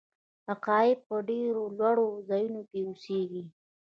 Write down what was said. عقاب په ډیرو لوړو ځایونو کې اوسیږي